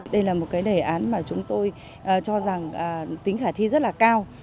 đây là một cái đề án mà chúng tôi cho rằng tính khả thi rất là cao